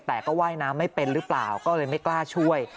แต่ก็ว่ายน้ำไม่เป็นหรือเปล่าก็เลยไม่กล้าช่วย